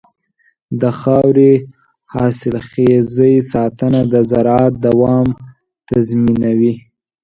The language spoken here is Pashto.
د خاورې حاصلخېزۍ ساتنه د زراعت دوام تضمینوي.